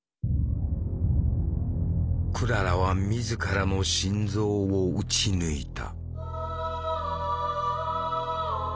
クララは自らの心臓を撃ち抜いた。